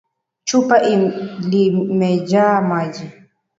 Chupa ilimejaa maji